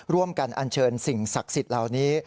ร่วมกันอัญเชิญสิ่งศักดิ์สิทธิ์เหล่านี้